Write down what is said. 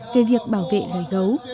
về việc bảo vệ loài gấu